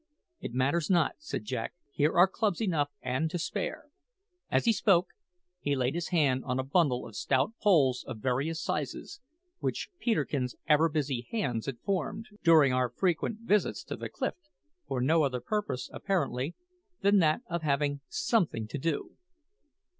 "It matters not," said Jack; "here are clubs enough and to spare." As he spoke, he laid his hand on a bundle of stout poles of various sizes, which Peterkin's ever busy hands had formed, during our frequent visits to the cliff, for no other purpose, apparently, than that of having something to do.